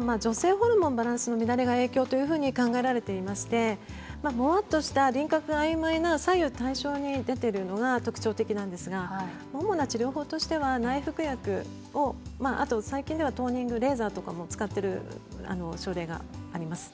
女性ホルモンのバランスの乱れが影響と考えられていましてもわっとした輪郭があいまいな左右対称に出ているのが特徴的なんですが主な治療法としては内服薬あと最近ではレーザーなどを使っている症例があります。